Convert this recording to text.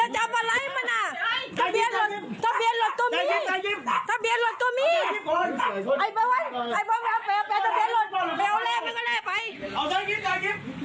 จ่ายกิ้มจ่ายกิ้ม